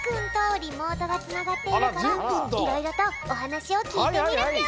リモートがつながっているからいろいろとおはなしをきいてみるぴょん。